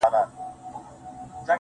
چي هغه نه وي هغه چــوفــــه اوســــــي.